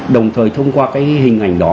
đồng thời thông qua cái hình ảnh đó